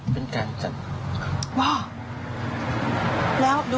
เป็นการจัด